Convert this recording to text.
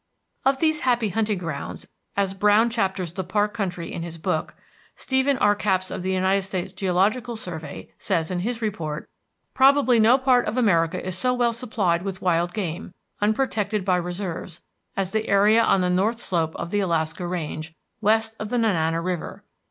'" Of these "happy hunting grounds," as Browne chapters the park country in his book, Stephen R. Capps of the United States Geological Survey says in his report: "Probably no part of America is so well supplied with wild game, unprotected by reserves, as the area on the north slope of the Alaska Range, west of the Nanana River.